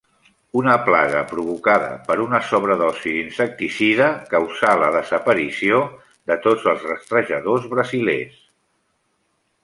Una plaga provocada per una sobredosi d'insecticida causà la desaparició de tots els rastrejadors brasilers.